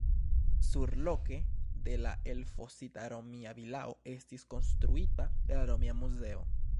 Surloke de la elfosita romia vilao estis konstruita la romia muzeo.